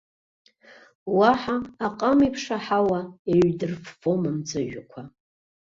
Уаҳа аҟамеиԥш аҳауа еиҩдырффом амҵәыжәҩақәа.